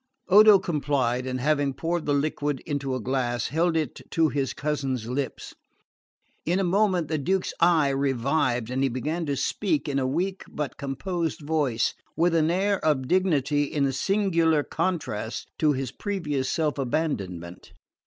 Odo complied, and having poured the liquor into a glass, held it to his cousin's lips. In a moment the Duke's eye revived and he began to speak in a weak but composed voice, with an air of dignity in singular contrast to his previous self abandonment.